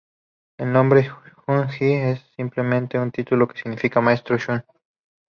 El nombre "Xun Zi" es simplemente un título que significa "Maestro Xun".